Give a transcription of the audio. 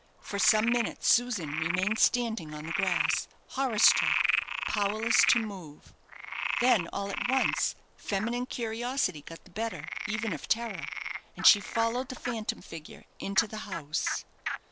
For some minutes Susan remained standing on the grass, horror struck, powerless to move. Then all at once feminine curiosity got the better even of terror, and she followed the phantom figure into the house.